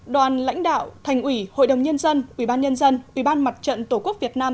đoàn lãnh đạo thành ủy hội đồng nhân dân ủy ban nhân dân ủy ban mặt trận tổ quốc việt nam